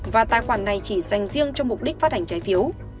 và tài khoản này chỉ dành riêng cho mục đích phát hành trái phiếu